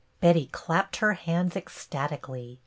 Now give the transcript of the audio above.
Betty clapped her hands ecstatically.